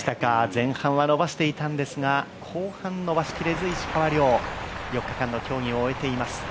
前半は延ばしていたんですが後半は伸ばしきれず石川遼、４日間の競技を終えています